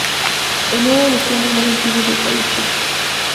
Es uno de los puentes más antiguos del país.